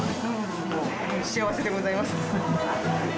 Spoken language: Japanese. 幸せでございます。